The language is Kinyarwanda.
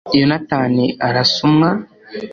yonatani arasa umwa